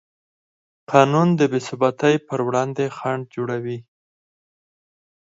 قانون د بېثباتۍ پر وړاندې خنډ جوړوي.